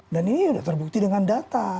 dan ini sudah terbukti dengan data